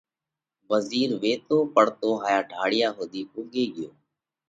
وزِير ويتو پڙتو هائيا ڍاۯِيا ۿُوڌِي پُوڳي ڳيو۔